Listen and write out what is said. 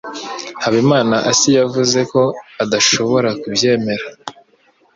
Habimanaasi yavuze ko adashobora kubyemera.